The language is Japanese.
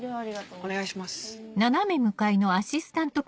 お願いします。